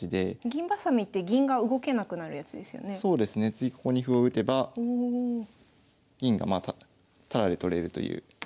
次ここに歩を打てば銀がタダで取れるという。